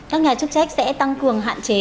các nhà chức trách sẽ tăng cường hạn chế